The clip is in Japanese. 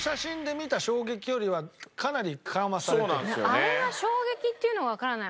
最初あれが衝撃っていうのがわからない。